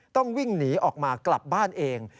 ต้องวิ่งหนีออกมากลับบ้านเอง